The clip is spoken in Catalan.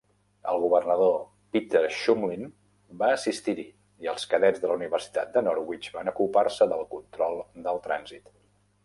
El governador Peter Shumlin va assistir-hi i els cadets de la Universitat de Norwich van ocupar-se del control del trànsit.